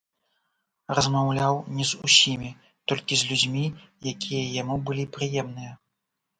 Размаўляў не з усімі, толькі з людзьмі, якія яму былі прыемныя.